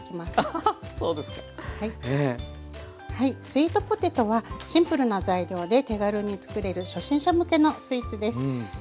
スイートポテトはシンプルな材料で手軽につくれる初心者向けのスイーツです。